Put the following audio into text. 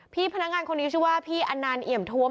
พี่พนักงานคนนี้ชื่อว่าพี่อันนานเอี่ยมทวม